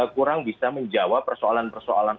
kurang bisa menjawab persoalan persoalan